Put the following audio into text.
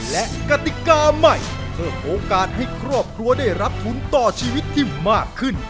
และกติกาใหม่เพิ่มโอกาสให้ครอบครัวได้รับทุนต่อชีวิตที่มากขึ้น